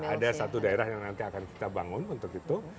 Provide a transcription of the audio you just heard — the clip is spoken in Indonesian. ada satu daerah yang nanti akan kita bangun untuk itu